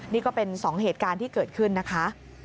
นี่ก็เป็นสองเหตุการณ์ที่เกิดขึ้นนะคะ